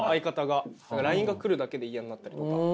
ＬＩＮＥが来るだけで嫌になったりとか。